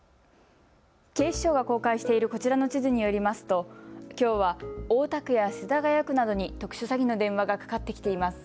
警視庁が公開しているこちらの地図によりますときょうは大田区や世田谷区などに特殊詐欺の電話がかかってきています。